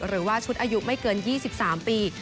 หรือว่าชุดอายุไม่เกิน๒๓ปี